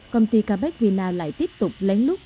công ty kabeck vina lại tiếp tục lén lút